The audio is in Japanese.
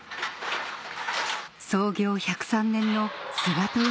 創業１０３年のすがとよ